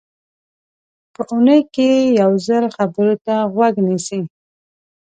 په اوونۍ کې یو ځل خبرو ته غوږ نیسي.